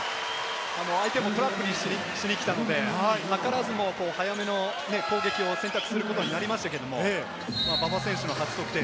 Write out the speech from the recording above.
相手もトラップしに来たので、図らずも早めの攻撃を選択することになりましたけれども、馬場選手の初得点。